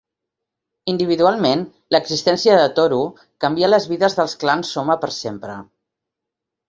Individualment, l'existència de Tohru canvia les vides dels clans Sohma per sempre.